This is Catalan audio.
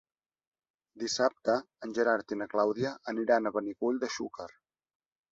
Dissabte en Gerard i na Clàudia aniran a Benicull de Xúquer.